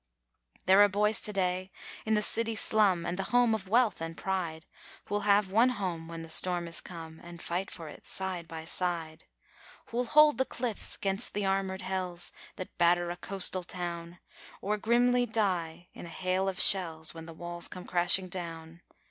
..... There are boys to day in the city slum and the home of wealth and pride Who'll have one home when the storm is come, and fight for it side by side, Who'll hold the cliffs 'gainst the armoured hells that batter a coastal town, Or grimly die in a hail of shells when the walls come crashing down.